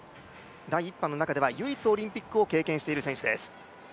第１班の中では唯一、オリンピックを経験している選手です。